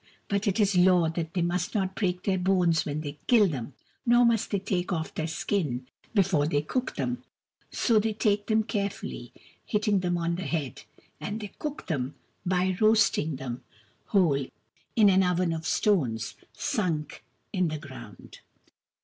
But it is law that they must not break their bones when they kill them, nor must they take off their skin before they cook them. So they take them carefully, hitting them on the head ; and they cook them by roasting them 228 KUR BO ROO, THE BEAR whole in an oven of stones, sunk in the ground.